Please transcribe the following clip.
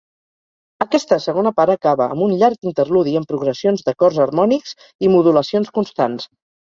Aquesta segona part acaba amb un llarg interludi amb progressions d'acords harmònics i modulacions constants.